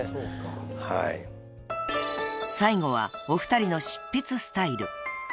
［最後はお二人の執筆スタイル］